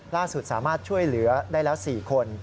ล่าสุดสามารถช่วยเหลือได้แล้ว๔คน